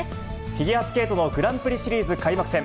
フィギュアスケートのグランプリシリーズ開幕戦。